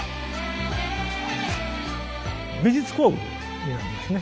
美術工具になりますね。